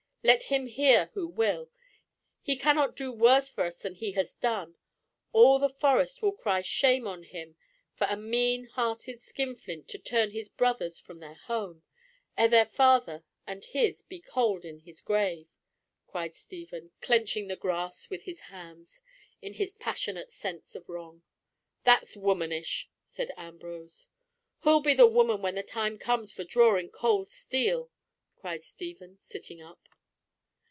"Let him hear who will! He cannot do worse for us than he has done! All the Forest will cry shame on him for a mean hearted skinflint to turn his brothers from their home, ere their father and his, be cold in his grave," cried Stephen, clenching the grass with his hands, in his passionate sense of wrong. "That's womanish," said Ambrose. "Who'll be the woman when the time comes for drawing cold steel?" cried Stephen, sitting up.